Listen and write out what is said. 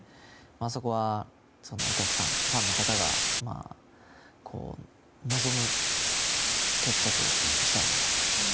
そこはお客さん、ファンの方が望む決着をしたいなと。